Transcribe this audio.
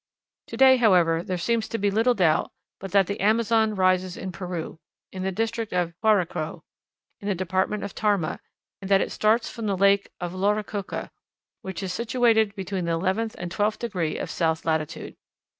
To day, however, there seems to be little doubt but that the Amazon rises in Peru, in the district of Huaraco, in the department of Tarma, and that it starts from the Lake of Lauricocha, which is situated between the eleventh and twelfth degree of south latitude.